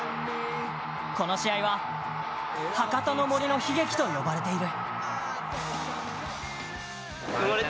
この試合は博多の森の悲劇と呼ばれている。